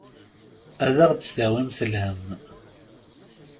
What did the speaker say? Ad aɣ-d-tawimt lhemm.